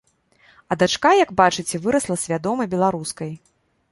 А дачка, як бачыце, вырасла свядомай беларускай.